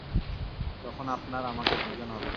তখন আপনার আমাকে প্রয়োজন হবে।